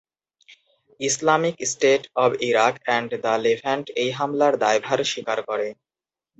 Islamic State of Iraq and the Levant এই হামলার দায়ভার স্বীকার করে।